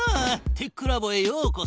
テックラボへようこそ。